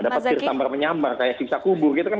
ada pasir sambar menyambar kayak simsa kubur gitu kan